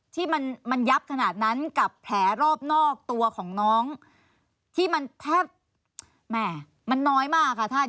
ที่มันยับขนาดนั้นกับแผลรอบนอกตัวของน้องที่มันแทบมันน้อยมากค่ะท่าน